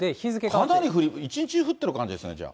かなり降る、一日降ってる感じですね、じゃあ。